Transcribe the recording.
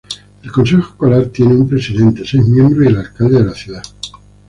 El consejo escolar tiene un presidente, seis miembros, y el alcalde de la ciudad.